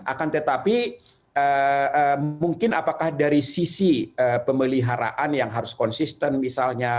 akan tetapi mungkin apakah dari sisi pemeliharaan yang harus konsisten misalnya